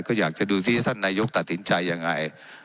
ก็อยากจะดูซิท่านนายกตัดสินใจยังไง